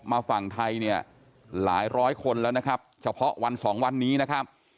มาฝั่งไทยเนี่ยหลายร้อยคนแล้วนะครับเฉพาะวันสองวันนี้นะครับ